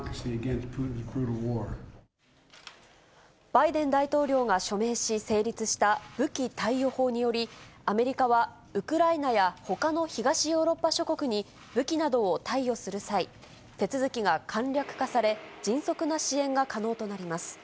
バイデン大統領が署名し、成立した武器貸与法により、アメリカは、ウクライナやほかの東ヨーロッパ諸国に武器などを貸与する際、手続きが簡略化され、迅速な支援が可能となります。